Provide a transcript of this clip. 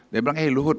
dia bilang eh luhut